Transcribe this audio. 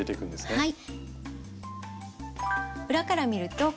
はい。